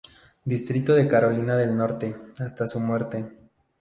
Distrito de Carolina del Norte hasta su muerte.